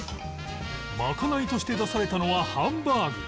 まかないとして出されたのはハンバーグ